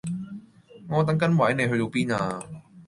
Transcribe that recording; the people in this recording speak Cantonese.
我等緊位，你去到邊呀